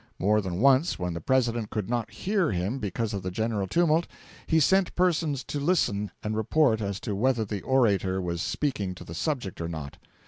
More than once, when the President could not hear him because of the general tumult, he sent persons to listen and report as to whether the orator was speaking to the subject or not.